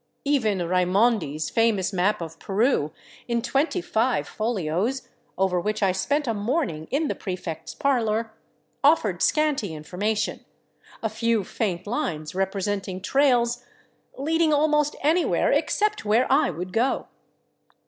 Even Raimondi's famous map of Peru, in 25 folios, over which I spent a morning in the prefect's parlor, offered scanty information, a few faint lines representing trails leading almost anywhere except where I would go.